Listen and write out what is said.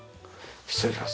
失礼します。